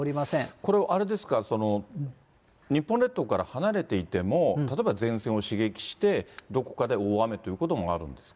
これ、あれですか、日本列島から離れていても、例えば前線を刺激して、どこかで大雨ということもあるんですか。